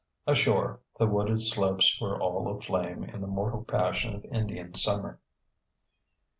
Ashore, the wooded slopes were all aflame in the mortal passion of Indian summer.